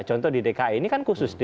contoh di dki ini kan khusus di